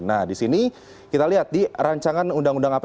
nah disini kita lihat di rancangan undang undang apbn ini